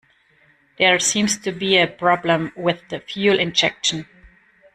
There seems to be a problem with the fuel injection.